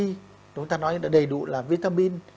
người ta nói đầy đủ là vitamin